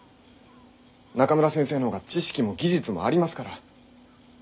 中村先生の方が知識も技術もありますから。